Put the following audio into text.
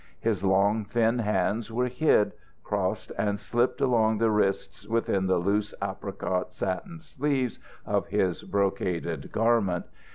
His long thin hands were hid, crossed and slipped along the wrists within the loose apricot satin sleeves of his brocaded garment.